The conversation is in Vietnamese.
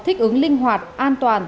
thích ứng linh hoạt an toàn